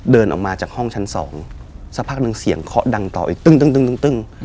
เดินออกมาจากห้องชั้นสองสักพักหนึ่งเสียงเคาะดังต่ออีกตึ้ง